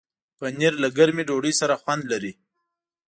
پنېر له ګرمې ډوډۍ سره خوند لري.